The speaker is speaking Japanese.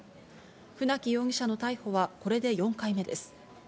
船木容疑者の逮捕はこれで４回目です。